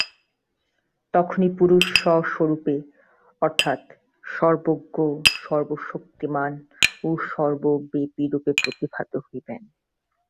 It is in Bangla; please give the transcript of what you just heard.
তখনই পুরুষ স্ব-স্বরূপে অর্থাৎ সর্বজ্ঞ, সর্বশক্তিমান ও সর্বব্যাপিরূপে প্রতিভাত হইবেন।